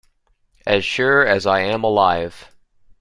As sure as I am alive.